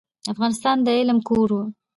افغانستان د علم کور و.